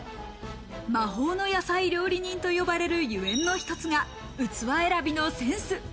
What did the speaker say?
魔法の野菜料理人と呼ばれるゆえんの一つが器選びのセンス。